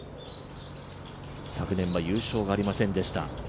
昨年は優勝はありませんでした。